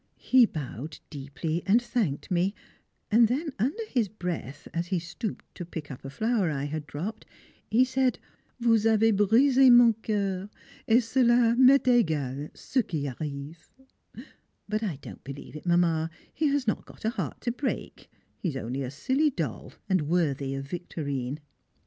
He bowed deeply and thanked me, and then under his breath, as he stooped to pick up a flower I had dropped, he said, "Vous avez brisé mon coeur, et cela m'est égal ce qui arrive," but I don't believe it, Mamma, he has not got a heart to break, he is only a silly doll and worthy of Victorine.